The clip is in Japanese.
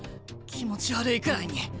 気持ち悪いくらいに。